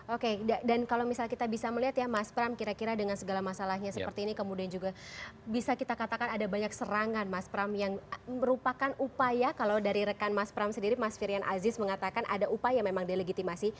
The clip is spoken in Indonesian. oke dan kalau misalnya kita bisa melihat ya mas pram kira kira dengan segala masalahnya seperti ini kemudian juga bisa kita katakan ada banyak serangan mas pram yang merupakan upaya kalau dari rekan mas pram sendiri mas firian aziz mengatakan ada upaya memang delegitimasi